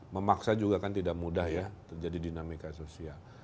memaksa juga kan tidak mudah ya terjadi dinamika sosial